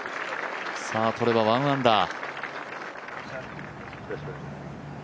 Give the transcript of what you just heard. さあ、とれば１アンダー。